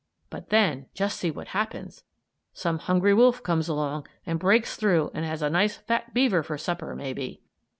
But then, just see what happens! Some hungry wolf comes along and breaks through and has a nice fat beaver for supper, maybe.